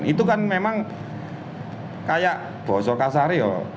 itu kan memang kayak boso kasario